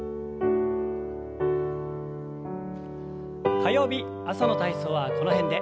火曜日朝の体操はこの辺で。